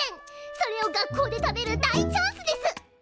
それを学校で食べる大チャンスです！